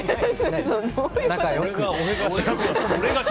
仲良く。